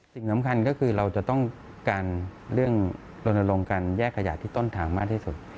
สิ่งสำคัญก็คือเราจะต้องการเรื่องลนลงการแยกขยะที่ต้นทางมากที่สุด